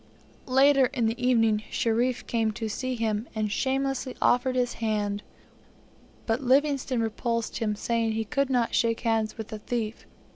Later in the evening, Sherif came to see him, and shamelessly offered his hand, but Livingstone repulsed him, saying he could not shake hands with a thief.